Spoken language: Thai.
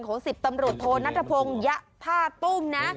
ของ๑๐ตำรวจโทรนัทพมณ์ยภาษิ์ธุ่ม